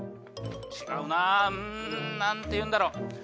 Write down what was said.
違うなうんなんていうんだろ。